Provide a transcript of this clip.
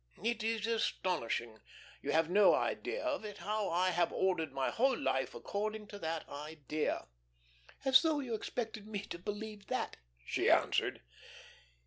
It is astonishing. You have no idea of it, how I have ordered my whole life according to that idea." "As though you expected me to believe that," she answered.